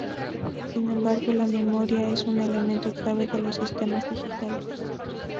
Sin embargo la memoria es un elemento clave de los sistemas digitales.